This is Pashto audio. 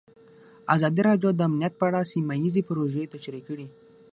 ازادي راډیو د امنیت په اړه سیمه ییزې پروژې تشریح کړې.